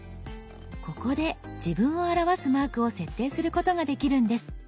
ここで自分を表すマークを設定することができるんです。